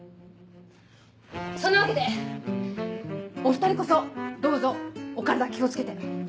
そんなわけでお２人こそどうぞお体気を付けて。